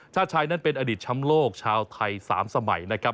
ชาติชายนั้นเป็นอดีตช้ำโลกชาวไทย๓สมัยนะครับ